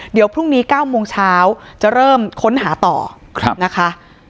เดี๋ยวพรุ่งนี้๙โมงเช้าจะเริ่มค้นหาต่อนะคะ